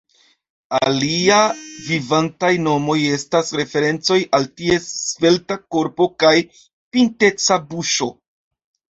Alia variantaj nomoj estas referencoj al ties svelta korpo kaj pinteca buŝo.